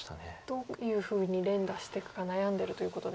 どういうふうに連打していくか悩んでるということですか。